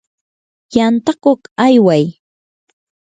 yantakuq ayway.